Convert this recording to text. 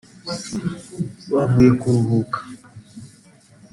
Bavuye kuruhuka